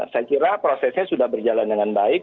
saya kira prosesnya sudah berjalan dengan baik